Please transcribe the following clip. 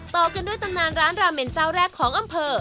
ต่อกันด้วยตำนานร้านราเมนเจ้าแรกของอำเภอ